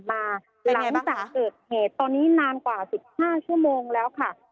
เป็นอย่างไรบ้างคะหลังจากเกิดเหตุตอนนี้นานกว่า๑๕ชั่วโมงแล้วค่ะ